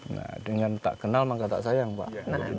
nah dengan tak kenal maka tak sayang pak